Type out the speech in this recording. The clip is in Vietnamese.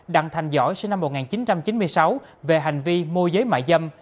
đặng thành giỏi sinh năm một nghìn chín trăm chín mươi sáu về hành vi mua giấy mại dâm